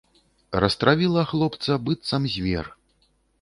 Растравіла хлопца, быццам звер.